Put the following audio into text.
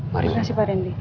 terima kasih pak randy